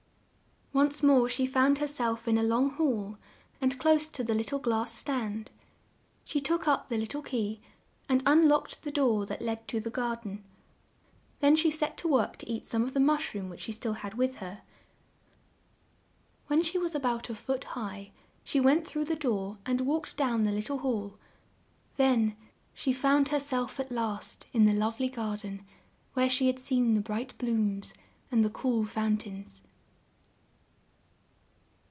Once more she found her self in a long hall, and close to the lit tle glass stand. She took up the lit tle key and un locked the door that led to the gar den. Then she set to work to eat some of the mush room which she still had with her. When she was a bout a foot high, she went through the door and walked down the lit tle hall; then she found herself, at last, in the love ly garden, where she had seen the bright blooms and the cool foun tains.